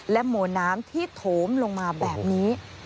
และโหมนน้ำที่โถมลงมาแบบนี้